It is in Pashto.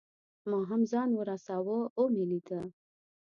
ما هم ځان ورساوه او مې لیده.